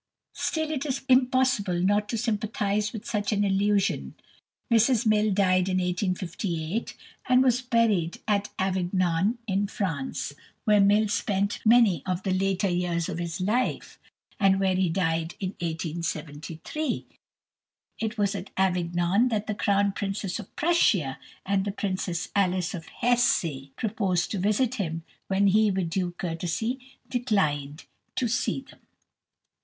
Still, it is impossible not to sympathize with such an illusion. Mrs Mill died in 1858, and was buried at Avignon, in France, where Mill himself spent many of the later years of his life, and where he died in 1873. It was at Avignon that the Crown Princess of Prussia and the Princess Alice of Hesse proposed to visit him, when he, with due courtesy, declined to see them.